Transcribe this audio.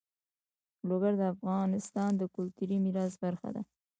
لوگر د افغانستان د کلتوري میراث برخه ده.